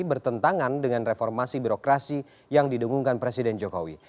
bertentangan dengan reformasi birokrasi yang didengungkan presiden jokowi